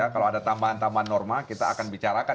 kalau ada tambahan tambahan norma kita akan bicarakan